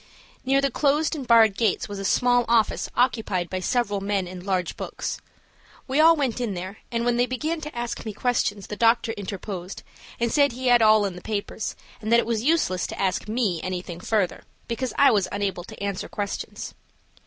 Near the closed and barred gates was a small office occupied by several men and large books. We all went in there, and when they began to ask me questions the doctor interposed and said he had all the papers, and that it was useless to ask me anything further, because I was unable to answer questions.